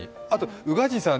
宇賀神さん